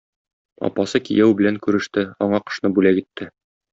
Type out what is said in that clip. Апасы кияү белән күреште, аңа кошны бүләк итте.